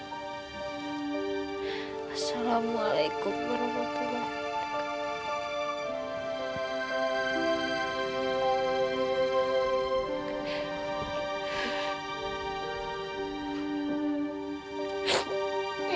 assalamualaikum warahmatullahi wabarakatuh